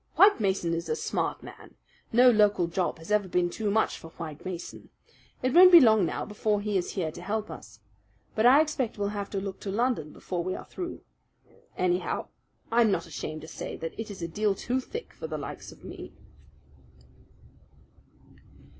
"White Mason is a smart man. No local job has ever been too much for White Mason. It won't be long now before he is here to help us. But I expect we'll have to look to London before we are through. Anyhow, I'm not ashamed to say that it is a deal too thick for the likes of me."